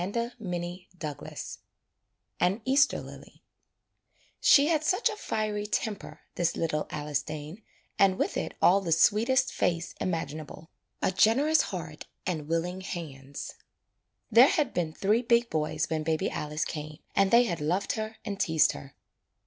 93 [ix] AN EASTER LILY An Easter Lily S HE had such a fiery temper, this little Alice Dane, and with it all the sweetest face imaginable, a generous heart and willing hands. There had been three big boys when baby Alice came and they had loved her and teased her.